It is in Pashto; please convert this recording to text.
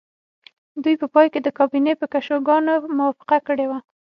دوی په پای کې د کابینې په کشوګانو موافقه کړې وه